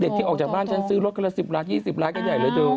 ที่ออกจากบ้านฉันซื้อรถคนละ๑๐ล้าน๒๐ล้านกันใหญ่เลยเธอ